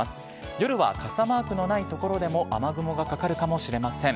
夜は傘マークのない所でも雨雲がかかるかもしれません。